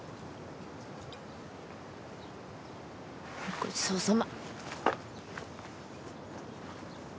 ごちそうさま。